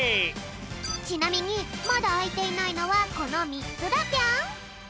ちなみにまだあいていないのはこのみっつだぴょん。